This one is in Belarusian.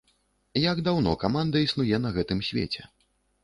Як даўно каманда існуе на гэтым свеце?